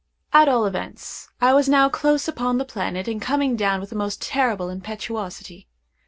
At all events I was now close upon the planet, and coming down with the most terrible impetuosity.